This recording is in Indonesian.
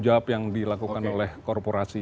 jawab yang dilakukan oleh korporasi